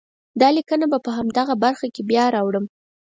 دا لیکنه به په همدغه برخه کې بیا راوړم.